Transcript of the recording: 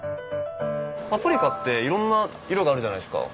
パプリカって色んな色があるじゃないですか。